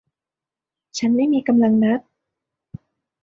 ฉันไม่มีกำลังนับ